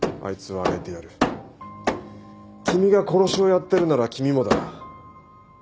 君が殺しをやってるなら君もだ。